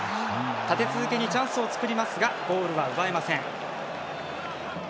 立て続けに、チャンスを作りますがゴールが奪えません。